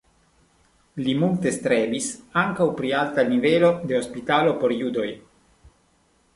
Li multe strebis ankaŭ pri alta nivelo de hospitalo por judoj.